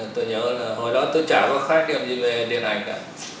tôi nhớ là hồi đó tôi chả có khách làm gì về điện hành cả